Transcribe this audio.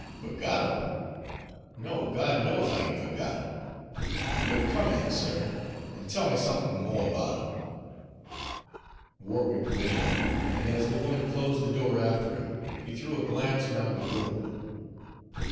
"Fergot him? No, God knows I ain't fergot him! But come in, sir, an' tell me somethin' mo' about him." Warwick went in, and as the woman closed the door after him, he threw a glance round the room.